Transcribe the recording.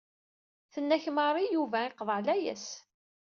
Tenna-k Mari, Yuba iqḍeɛ layas.